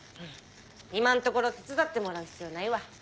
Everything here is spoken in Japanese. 今のところ手伝ってもらう必要ないわ。